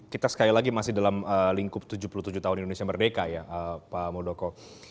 kita sekali lagi masih dalam lingkup tujuh puluh tujuh tahun indonesia merdeka ya pak muldoko